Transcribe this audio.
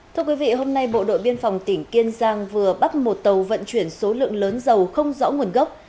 thưa quý vị hôm nay bộ đội biên phòng tỉnh kiên giang vừa bắt một tàu vận chuyển số lượng lớn dầu không rõ nguồn gốc